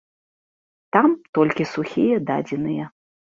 Там толькі сухія дадзеныя.